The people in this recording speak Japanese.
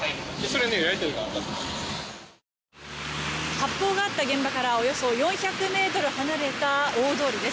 発砲があった現場からおよそ４００ｍ離れた大通りです。